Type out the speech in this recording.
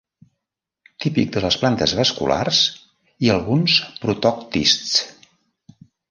Típic de les plantes vasculars i alguns protoctists.